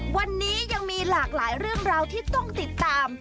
วันนี้ยังมีหลากหลายเรื่องราวที่ต้องติดตาม